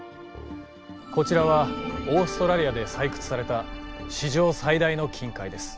こちらはオーストラリアで採掘された史上最大の金塊です。